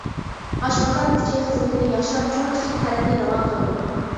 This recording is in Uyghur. ئاشقازان، ئۈچەي خىزمىتىنى ياخشىلاپ چوڭ-كىچىك تەرەتنى راۋان قىلىدۇ.